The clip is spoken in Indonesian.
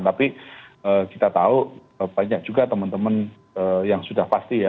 tapi kita tahu banyak juga teman teman yang sudah pasti ya